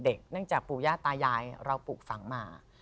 เนื่องจากปู่ย่าตายายเราปลูกฝังมา